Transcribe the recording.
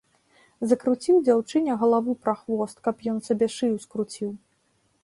Закруціў дзяўчыне галаву прахвост, каб ён сабе шыю скруціў.